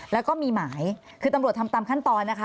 แล้วก็มีหมายคือตำรวจทำตามขั้นตอนนะคะ